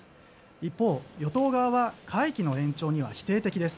一方、与党側は会期の延長には否定的です。